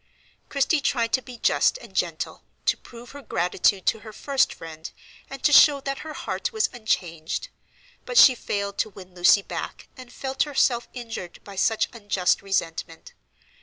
Christie tried to be just and gentle, to prove her gratitude to her first friend, and to show that her heart was unchanged. But she failed to win Lucy back and felt herself injured by such unjust resentment.